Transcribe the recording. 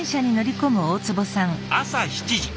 朝７時。